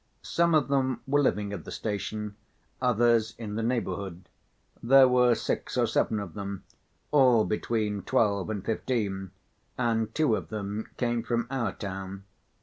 Some of them were living at the station, others in the neighborhood; there were six or seven of them, all between twelve and fifteen, and two of them came from our town.